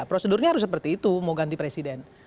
prosedurnya harus seperti itu mau ganti presiden